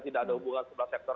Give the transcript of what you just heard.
tidak ada hubungan sebelah sektor